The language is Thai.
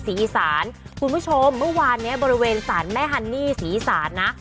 สีอีสานคุณผู้ชมเมื่อวานเนี่ยบริเวณศาลแม่ฮันีศีลิศาลนะ